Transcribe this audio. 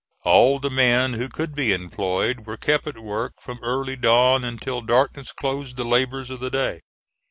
All the men who could be employed, were kept at work from early dawn until darkness closed the labors of the day.